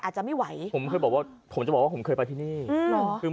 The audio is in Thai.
อาจจะไม่ไหวผมเคยบอกว่าผมจะบอกว่าผมเคยไปที่นี่หรอคือ